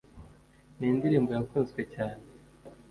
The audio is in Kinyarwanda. Ni indirimbo yakunzwe cyane